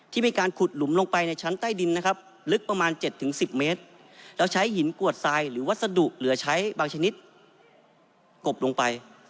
มีการขุดหลุมลงไปในชั้นใต้ดินนะครับลึกประมาณ๗๑๐เมตรแล้วใช้หินกวดทรายหรือวัสดุเหลือใช้บางชนิดกบลงไป